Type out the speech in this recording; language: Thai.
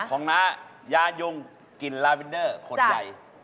ของหน้ายากัดยุงกลิ่นลาวินเดอร์ขดใหญ่